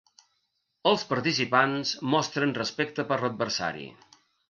Els participants mostren respecte per l'adversari.